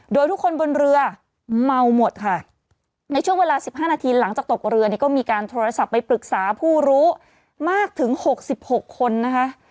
โดยทุกคนบนเรือเมาหมดค่ะในช่วงเวลา๑๕นาทีหลังจากตกเรือเนี่ยก็มีการโทรศัพท์ไปปรึกษาผู้รู้มากถึง๖๖คนนะคะ